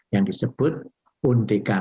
yang disebut undekana